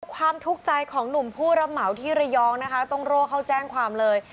ความทุกข์ใจของหนุ่มผู้รับเหมาที่ระยองนะคะต้องโร่เข้าแจ้งความเลย